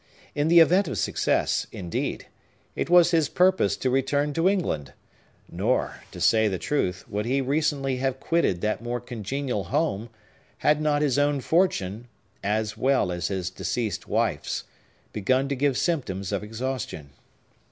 In the event of success, indeed, it was his purpose to return to England; nor, to say the truth, would he recently have quitted that more congenial home, had not his own fortune, as well as his deceased wife's, begun to give symptoms of exhaustion.